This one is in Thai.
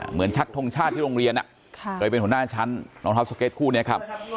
เหมือนชักธีศจรรย์ที่โรงเรียนเลยไปหัวหน้าชั้นน้องเท้าสเก็ตครับ